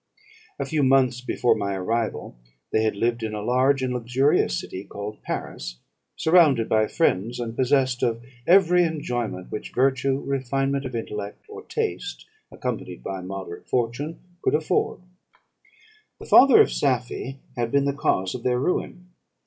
A few months before my arrival, they had lived in a large and luxurious city, called Paris, surrounded by friends, and possessed of every enjoyment which virtue, refinement of intellect, or taste, accompanied by a moderate fortune, could afford. "The father of Safie had been the cause of their ruin.